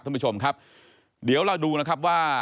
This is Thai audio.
ท่านผู้ชมครับเดี๋ยวเราดูนะครับว่า